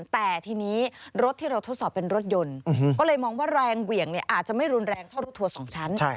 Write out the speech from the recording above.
แต่ทีนี้รถที่เราทดสอบเป็นรถยนต์ก็เลยมองว่าแรงเหวี่ยงอาจจะไม่รุนแรงเท่ารถทัวร์๒ชั้น